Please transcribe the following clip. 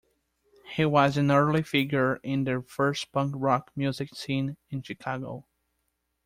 He was an early figure in the first punk rock music scene in Chicago.